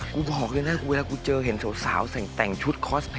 บอกเลยนะเวลากูเจอเห็นสาวแต่งชุดคอส